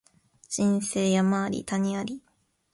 人生山あり谷あり